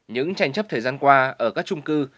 những tranh chấp thời gian qua ở các trung cư